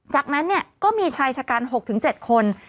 จากนั้นก็มีชายชะกัน๖๗คน